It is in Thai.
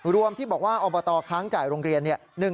รวมที่บอกว่าอบตค้างจ่ายโรงเรียน